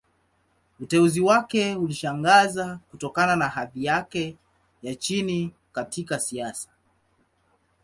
Uteuzi wake ulishangaza, kutokana na hadhi yake ya chini katika siasa.